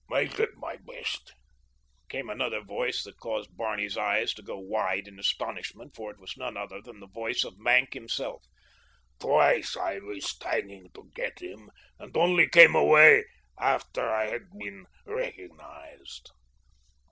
"I did my best," came another voice that caused Barney's eyes to go wide in astonishment, for it was none other than the voice of Maenck himself. "Twice I risked hanging to get him and only came away after I had been recognized."